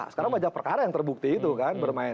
sekarang banyak perkara yang terbukti itu kan bermain